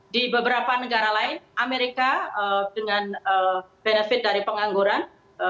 di beberapa negara lain amerika dengan benefit dari pengangguran